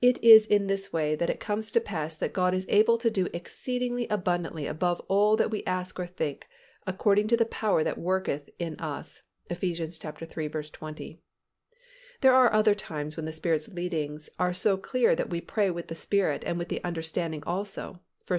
It is in this way that it comes to pass that God is able to do exceedingly abundantly above all that we ask or think, according to the power that worketh in us (Eph. iii. 20). There are other times when the Spirit's leadings are so clear that we pray with the Spirit and with the understanding also (1 Cor.